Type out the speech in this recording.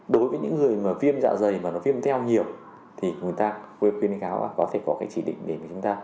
đối với những người mà viêm dạ dày mà nó viêm theo nhiều thì người ta có thể có cái chỉ định để với chúng ta